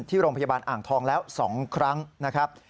ที่โรงพยาบาลอ่างทองแล้ว๒ครั้งนะครับ